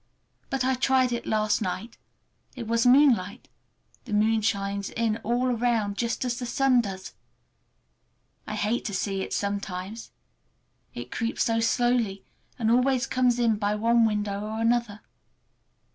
But I tried it last night. It was moonlight. The moon shines in all around, just as the sun does. I hate to see it sometimes, it creeps so slowly, and always comes in by one window or another.